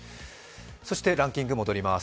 そしてランキングに戻ります。